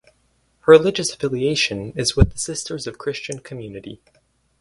Her religious affiliation is with Sisters for Christian Community.